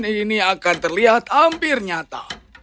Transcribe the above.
ini akan terlihat hampir nyata